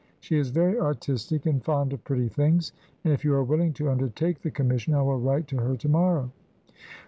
She is very artistic, and fond of pretty things, and if you are willing to undertake the commission I will write to her to morrow."